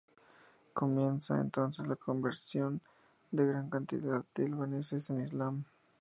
Comienza entonces la conversión de gran cantidad de albaneses al islam.